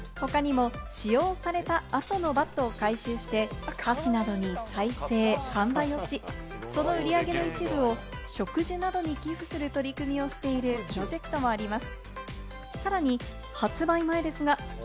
他にも使用された後のバットを回収して箸などに再生・販売をし、その売り上げの一部を植樹などに寄付する取り組みをしているプロジェクトもあります。